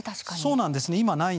そうなんです。